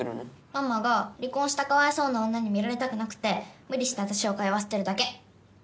ママが離婚したかわいそうな女に見られたくなくて無理して私を通わせてるだけ。